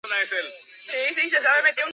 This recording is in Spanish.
Posteriormente, se mudó a Londres.